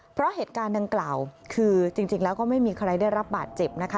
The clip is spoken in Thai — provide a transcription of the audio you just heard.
เพราะเหตุการณ์ดังกล่าวคือจริงแล้วก็ไม่มีใครได้รับบาดเจ็บนะคะ